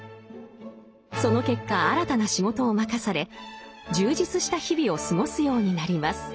その結果新たな仕事を任され充実した日々を過ごすようになります。